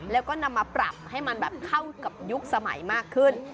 แล้วก็นำมาปรับให้มันแบบเข้ากับยุคสมัยมากขึ้น